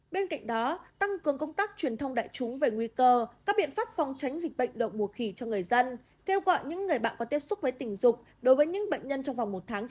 bên cạnh đó tăng cường công tác truyền thông đại chúng về nguy cơ các biện pháp phòng tránh dịch bệnh động mùa khỉ cho người dân